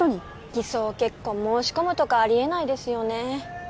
偽装結婚申し込むとかあり得ないですよね